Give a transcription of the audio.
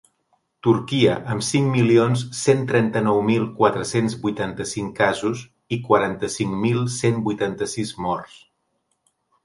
Turquia, amb cinc milions cent trenta-nou mil quatre-cents vuitanta-cinc casos i quaranta-cinc mil cent vuitanta-sis morts.